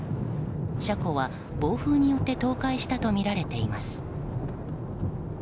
車庫は暴風によって倒壊したとみられています。